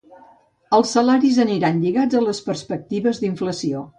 Els salaris aniran lligats a les perspectives d’inflació.